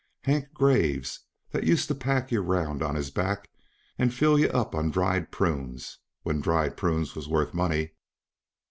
Hank Graves, that used to pack yuh around on his back, and fill yuh up on dried prunes when dried prunes was worth money?